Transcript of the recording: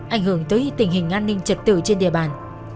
ảnh hưởng tới tình hình an ninh trật tự trên địa bàn